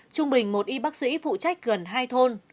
trung bình một y bác sĩ phụ trách gần hai thôn